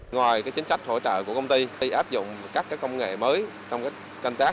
ngoài cái chính trách hỗ trợ của công ty thì áp dụng các cái công nghệ mới trong cái canh tác